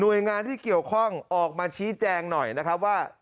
โดยงานที่เกี่ยวข้องออกมาชี้แจงหน่อยนะครับว่า